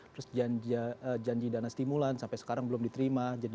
terus janji dana stimulan sampai sekarang belum diterima